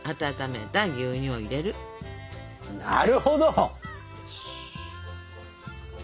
なるほど！